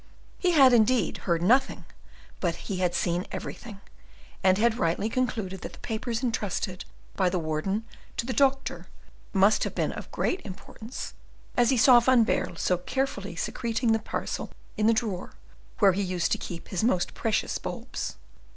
He had, indeed, heard nothing, but he had seen everything, and had rightly concluded that the papers intrusted by the Warden to the Doctor must have been of great importance, as he saw Van Baerle so carefully secreting the parcel in the drawer where he used to keep his most precious bulbs.